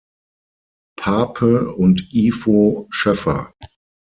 Paape und Ivo Schöffer.